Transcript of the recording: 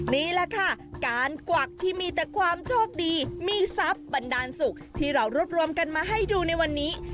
นี่แหละค่ะการกวักที่มีแต่ความโชคดีมีทรัพย์บันดาลสุขที่เรารวบรวมกันมาให้ดูในวันนี้